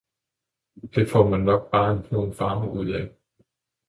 Det får man nok bare en brun farve ud af